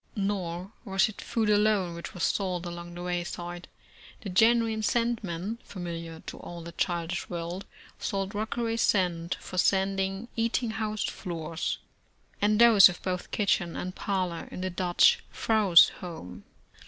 Nor was it food alone which was sold along the way side. The genuine "sand man," familiar to all the childish world, sold Rockaway sand for sanding eating house floors, and those of both kitchen and parlor in the Dutch vrouw's home.